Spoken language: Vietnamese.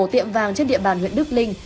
tiệm vàng trên địa bàn huyện đức linh